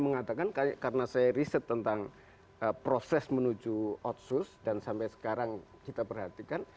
mengatakan karena saya riset tentang proses menuju otsus dan sampai sekarang kita perhatikan